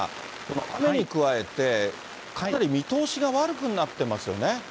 雨に加えて、かなり見通しが悪くなってますよね。